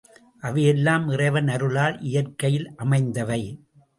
அவையெல்லாம் இறைவன் அருளால் இயற்கையில் அமைந்தவை.